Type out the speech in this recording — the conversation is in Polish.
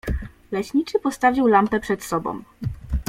Leśniczy postawił lampę przed sobą.